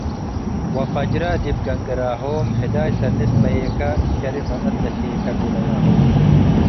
ወፈጅረ ዲብ ግንግራሆም፤ “ህዳይ ስኒ ትመዩከ፡ ሸርእ መልአት ለሼከ” ቤለያሆም ።